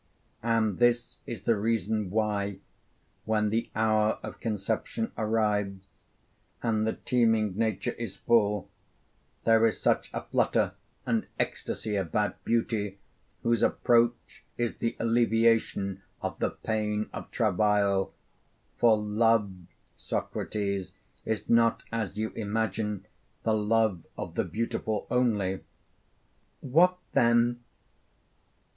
And this is the reason why, when the hour of conception arrives, and the teeming nature is full, there is such a flutter and ecstasy about beauty whose approach is the alleviation of the pain of travail. For love, Socrates, is not, as you imagine, the love of the beautiful only.' 'What then?'